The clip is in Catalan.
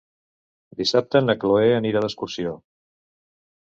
Dissabte na Cloè anirà d'excursió.